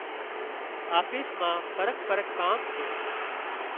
آفيس مان فرق فرق ڪام سي۔